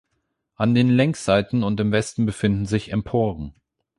An den Längsseiten und im Westen befinden sich Emporen.